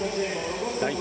代表